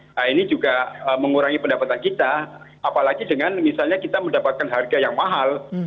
nah ini juga mengurangi pendapatan kita apalagi dengan misalnya kita mendapatkan harga yang mahal